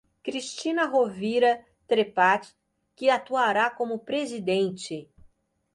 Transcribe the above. Cristina Rovira Trepat, que atuará como presidente.